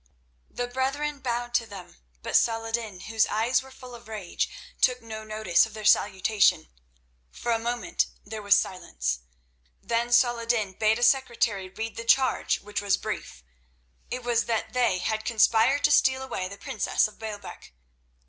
The brethren bowed to them, but Saladin, whose eyes were full of rage, took no notice of their salutation. For a moment there was silence, then Saladin bade a secretary read the charge, which was brief. It was that they had conspired to steal away the princess of Baalbec.